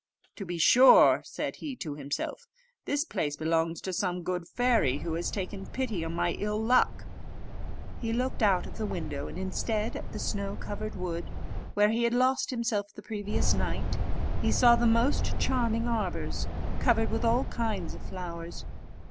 "To be sure," said he to himself, "this place belongs to some good fairy, who has taken pity on my ill luck." He looked out of the window, and instead of the snow covered wood, where he had lost himself the previous night, he saw the most charming arbours covered with all kinds of flowers.